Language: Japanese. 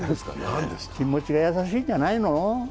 気持ちが優しいんじゃないの。